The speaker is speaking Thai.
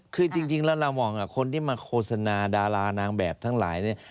คือจริงแล้วเรามองคนที่มาโฆษณาดารานางแบบทั้งหลายเนี่ย